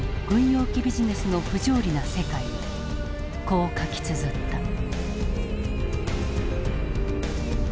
軍用機ビジネスの不条理な世界をこう書きつづった。